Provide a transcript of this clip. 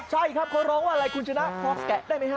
ใช่ครับคนร้องว่าคุณชนะหอพแก่ได้ไหมฮะ